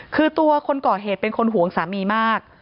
คือตัวคนก่อเหตุเป็นคนห่วงสามีมาก